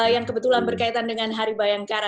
yang kebetulan berkaitan dengan hari bayangkara